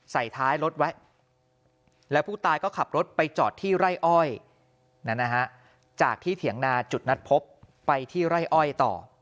ท้ายรถไว้แล้วผู้ตายก็ขับรถไปจอดที่ไร่อ้อยจากที่เถียงนาจุดนัดพบไปที่ไร่อ้อยต่อ